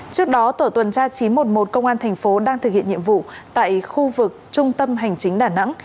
trước đó tổ tuần tra chín trăm một mươi một công an thành phố đang thực hiện nhiệm vụ tại khu vực trung tâm hành chính đà nẵng